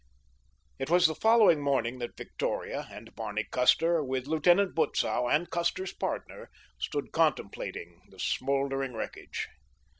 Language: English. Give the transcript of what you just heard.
It was the following morning that Victoria and Barney Custer, with Lieutenant Butzow and Custer's partner, stood contemplating the smoldering wreckage.